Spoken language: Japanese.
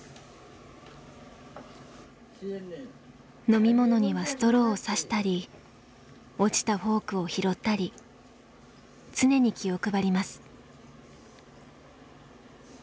飲み物にはストローをさしたり落ちたフォークを拾ったり常に気を配ります。